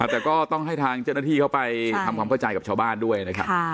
แต่ก็ต้องให้ทางเจ้าหน้าที่เขาไปทำความเข้าใจกับชาวบ้านด้วยนะครับ